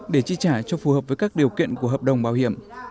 để chi trả cho phù hợp với các điều kiện của hợp đồng bảo hiểm